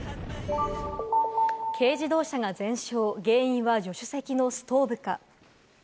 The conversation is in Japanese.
軽自動車が全焼、原因は助手席のストーブか？